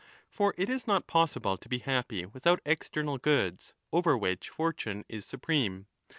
For it is not possible to be happy without external goods, over which fortune is supreme.